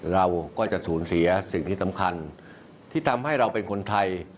เราก็จะสูญเสียสิ่งที่สำคัญที่ทำให้เราเป็นคนไทย